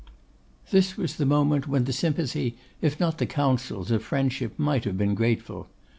This was the moment when the sympathy, if not the counsels, of friendship might have been grateful.